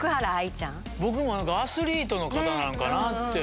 僕もアスリートの方なのかなって。